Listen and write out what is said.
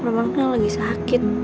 merema merema kenang lagi sakit